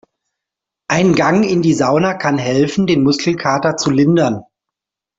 Ein Gang in die Sauna kann helfen, den Muskelkater zu lindern.